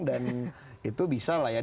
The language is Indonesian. dan itu bisa lah ya